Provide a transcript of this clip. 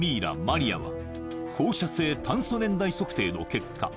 マリアは放射性炭素年代測定の結果